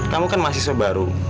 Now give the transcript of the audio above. kamu kan mahasiswa baru